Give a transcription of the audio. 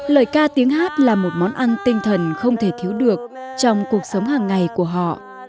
lời ca tiếng hát là một món ăn tinh thần không thể thiếu được trong cuộc sống hàng ngày của họ